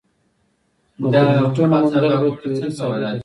د ګرویټونو موندل به تیوري ثابته کړي.